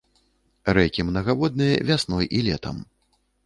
Рэкі мнагаводныя вясной і летам.